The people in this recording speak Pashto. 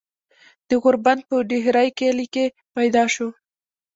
د غوربند پۀ ډهيرۍ کلي کښې پيدا شو ۔